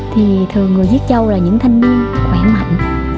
thường người giết trâu là những thanh niên khỏe mạnh